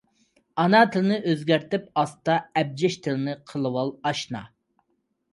ئانا تىلنى ئۆزگەرتىپ ئاستا، ئەبجەش تىلنى قىلىۋال ئاشنا.